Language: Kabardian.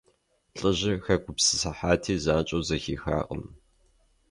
ЛӀыжьыр хэгупсысыхьати, занщӀэу зэхихакъым.